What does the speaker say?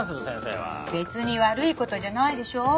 別に悪い事じゃないでしょ。